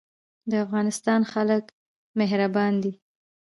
د افغانستان خلک مهربان دي